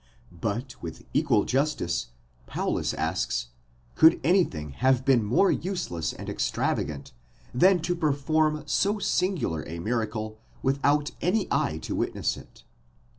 But with equal justice Paulus asks, Could anything have been more useless and extravagant than to perform so singular a miracle without any eye to witness it?